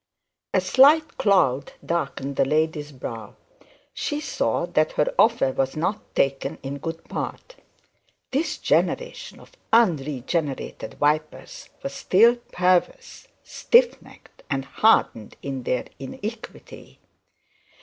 A slight cloud darkened the lady's brow. She saw that her offer was not taken in good part. This generation of unregenerated vipers was still perverse, stiffnecked, and hardened in their antiquity.